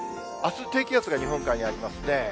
あす、低気圧が日本海にありますね。